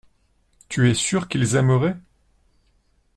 Tu es sûr qu’ils aimeraient.